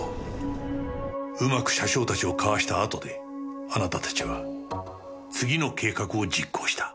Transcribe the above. うまく車掌たちをかわしたあとであなたたちは次の計画を実行した。